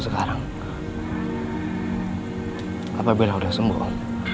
semua cara udah saya coba